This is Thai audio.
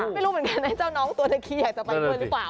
ไม่รู้เหมือนกันนะเจ้าน้องตัวนักขี้อยากจะไปกันหรือเปล่า